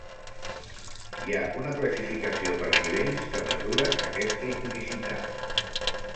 Hi ha una classificació per nivells que mesura aquesta iconicitat.